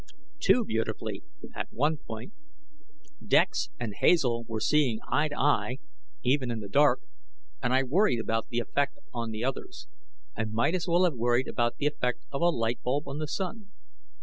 Too beautifully, at one point. Dex and Hazel were seeing eye to eye, even in the dark, and I worried about the effect on the others. I might as well have worried about the effect of a light bulb on the sun.